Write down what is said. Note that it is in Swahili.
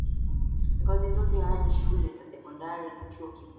ngazi zote hadi shule za sekondari na chuo kikuu